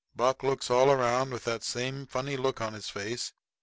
"] Buck looks all around with that same funny look on his face.